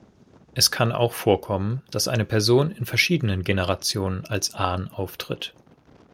Es kann auch vorkommen, dass eine Person in verschiedenen Generationen als Ahn auftritt.